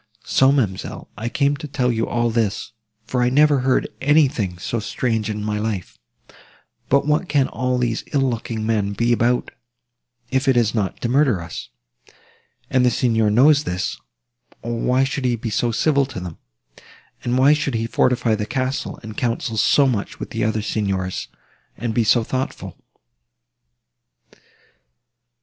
"So, ma'amselle, I came to tell you all this, for I never heard anything so strange in my life. But what can these ill looking men be come about, if it is not to murder us? And the Signor knows this, or why should he be so civil to them? And why should he fortify the castle, and counsel so much with the other Signors, and be so thoughtful?"